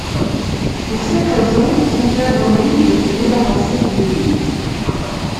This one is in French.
Pour cette raison, son père l'oblige à se débarrasser du bébé.